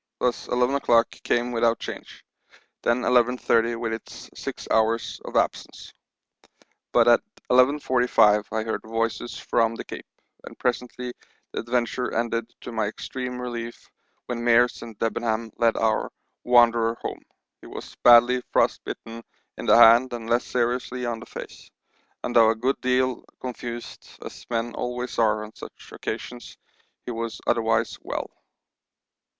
Thus 11 o'clock came without change, then 11.30 with its 6 hours of absence. But at 11.45 I heard voices from the Cape, and presently the adventure ended to my extreme relief when Meares and Debenham led our wanderer home. He was badly frostbitten in the hand and less seriously on the face, and though a good deal confused, as men always are on such occasions, he was otherwise well.